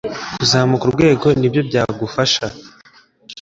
Kuzamuka urwego nibyo byagufasha